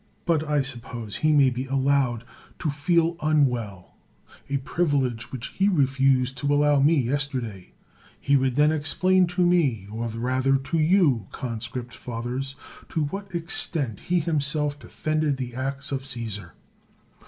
But I suppose he may be allowed to feel unwell, a privilege which he refused to allow me yesterday, lie would then explain to me, or rather to you, conscript fathers, to what extent he himself defended the acts of Caesar.